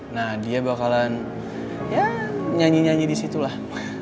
nah dia bakalan nyanyi nyanyi di situ lah